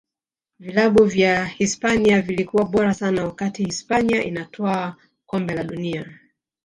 vilabu vya hisipania vilikuwa bora sana wakati hispania inatwaa kombe la dunia